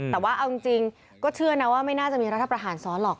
แต่ว่าเอาจริงก็เชื่อนะว่าไม่น่าจะมีรัฐประหารซ้อนหรอก